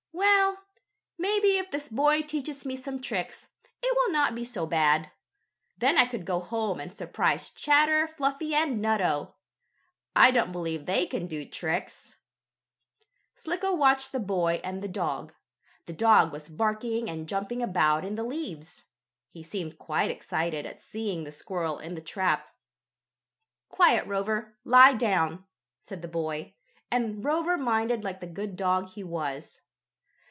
"Well, maybe if this boy teaches me some tricks, it will not be so bad. Then I could go home and surprise Chatter, Fluffy and Nutto. I don't believe they can do tricks." Slicko watched the boy and dog. The dog was barking and jumping about in the leaves. He seemed quite excited at seeing the squirrel in the trap. "Quiet, Rover! Lie down!" said the boy, and Rover minded like the good dog he was.